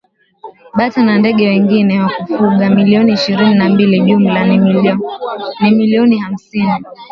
bata na ndege wengine wa kufuga milioni ishirini na mbili Jumla ni milioni hamsini